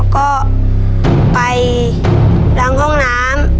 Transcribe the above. ก็ไปล้างห้องน้ำ